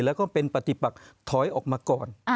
แล้วก็เป็นปฏิปักถอยออกมาก่อน